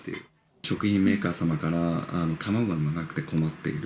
食品メーカー様から卵がなくて困っている。